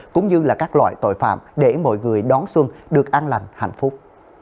cũng như là các loại tội phạm để mọi người đón xuân được an lành hạnh phúc